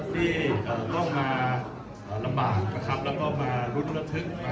ที่ต้องมาลำบากนะครับแล้วก็มาลุ้นระทึก